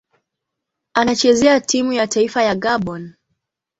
Anachezea timu ya taifa ya Gabon.